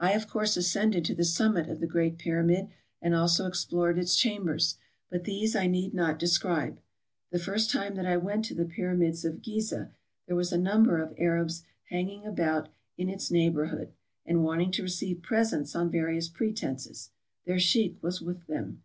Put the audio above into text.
I of course ascended to the summit of the great Pyramid, and also explored its chambers ; but these I need not de scribe. The first time that I went to the Pyramids of Ghizeh, there was a number of Arabs hanging about in its neighborhood, and wanting to receive presents on various pretenses; their sheik was with them.